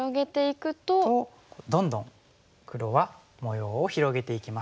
どんどん黒は模様を広げていきます。